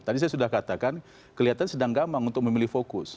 tadi saya sudah katakan kelihatan sedang gampang untuk memilih fokus